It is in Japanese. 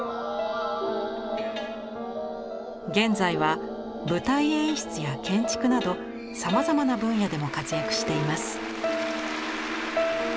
現在は舞台演出や建築などさまざまな分野でも活躍しています。